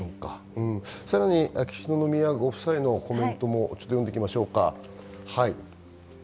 秋篠宮ご夫妻のコメントも読んでいきましょうか。